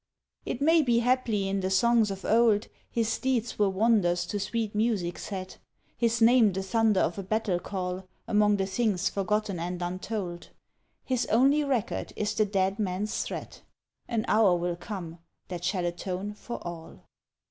It may be haply in the songs of old His deeds were wonders to sweet music set, His name the thunder of a battle call, Among the things forgotten and untold; His only record is the dead man's threat, "An hour will come that shall atone for all!"